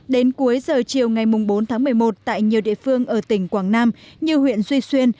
đến cuối giờ chiều ngày bốn tháng một mươi một tại nhiều địa phương ở tỉnh quảng nam như huyện duy xuyên